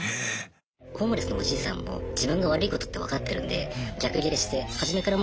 ホームレスのおじいさんも自分が悪いことって分かってるんで逆ギレして初めからもう包丁持ってきたんですけど。